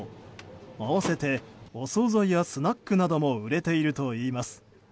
併せてお総菜やスナックなども売れているといいます。